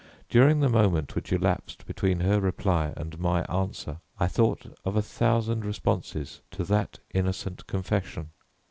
During the moment which elapsed between her reply and my answer I thought of a thousand responses to that innocent confession.